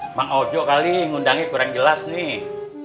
emang ojo kali ngundangi kurang jelas nih